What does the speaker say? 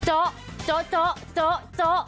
โจ๊ะโจ๊ะโจ๊ะโจ๊ะโจ๊ะ